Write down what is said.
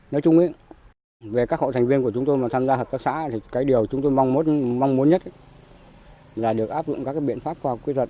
nói chung về các hộ thành viên của chúng tôi mà tham gia hợp tác xã thì cái điều chúng tôi mong muốn mong muốn nhất là được áp dụng các biện pháp khoa học kỹ thuật